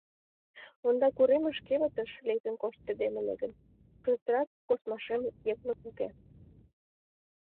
Ондак уремыш, кевытыш лектын коштедем ыле гын, кызытрак коштмашем йыклык уке.